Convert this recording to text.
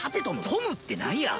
トムってなんや？